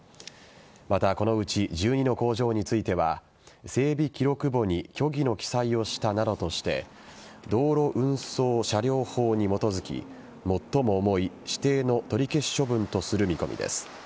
また、このうち１２の工場については整備記録簿に虚偽の記載をしたなどとして道路運送車両法に基づき最も重い指定の取り消し処分とする見込みです。